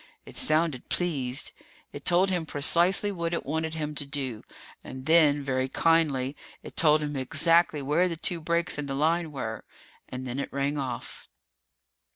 It sounded pleased. It told him precisely what it wanted him to do. And then, very kindly, it told him exactly where the two breaks in the line were. And then it rang off.